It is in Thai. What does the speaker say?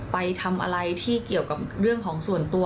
ไปทำอะไรที่เกี่ยวกับเรื่องของส่วนตัว